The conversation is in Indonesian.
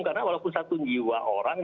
karena walaupun satu jiwa orang